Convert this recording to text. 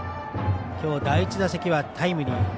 今日、第１打席はタイムリー。